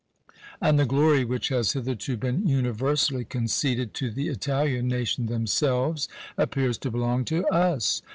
and the glory which has hitherto been universally conceded to the Italian nation themselves, appears to belong to us!